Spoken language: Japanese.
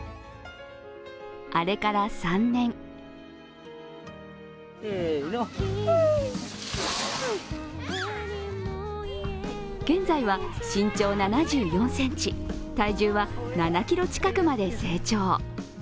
あれから３年現在は身長７４ｃｍ体重は７ｋｇ近くまで成長。